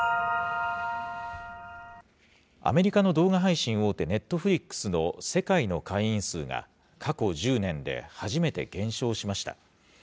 アメリカの動画配信大手、ネットフリックスの世界の会員数が過去１０年で初めて減少しました。